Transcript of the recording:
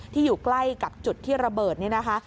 อยู่ใกล้กับจุดที่ระเบิดนี่นะคะ